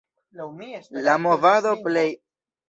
La movado plej forte realiĝis en Granda Britio.